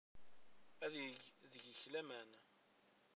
Ad yeg deg-k laman.